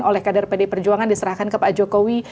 oleh kader pdi perjuangan diserahkan ke pak jokowi